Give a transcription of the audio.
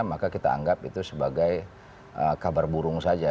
maka kita anggap itu sebagai kabar burung saja